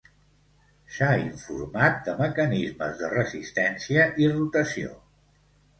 S'ha informat de mecanismes de resistència i rotació.